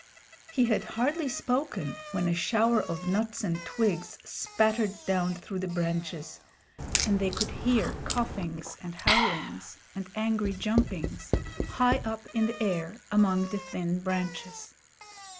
He had hardly spoken when a shower of nuts and twigs spattered down through the branches; and they could hear coughings and howlings and angry jumpings high up in the air among the thin branches.